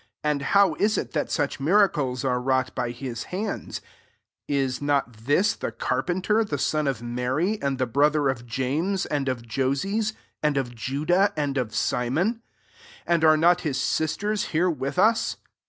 and how U U, that such miracles are wrought by his hands ? 3 Is not this the carpenter, the son of Mary ; and the brother of James, and of Joses, and of Judah, and of Si mon ? and are not his sisters here with us